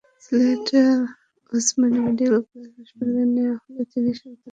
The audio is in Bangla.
সিলেট ওসমানী মেডিকেল কলেজ হাসপাতালে নেওয়া হলে চিকিৎসক তাঁকে মৃত ঘোষণা করেন।